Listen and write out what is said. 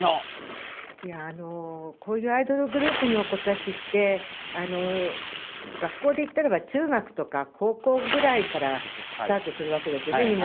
こういうアイドルグループの子たちって学校でいったら中学とか高校ぐらいからスタートするわけですよね